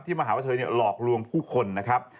ที่มหาว่าเธอเนี่ยหลอกลวงผู้คนนะครับ